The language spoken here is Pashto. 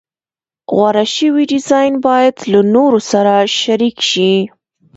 غوره شوی ډیزاین باید له نورو سره شریک شي.